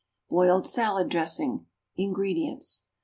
=Boiled Salad Dressing.= INGREDIENTS.